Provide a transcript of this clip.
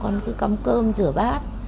công việc thì bà cứ cắm cơm rửa bát